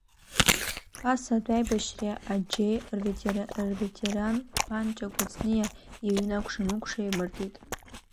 Ԥасатәи аибашьреи аџьеи рветеран Ԥанҭа Кәыҵниа иҩны акәшамыкәша еимырдеит.